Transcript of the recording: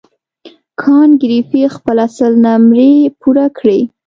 کانت ګریفي خپله سل نمرې پوره کړې.